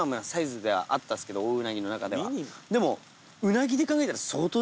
でも。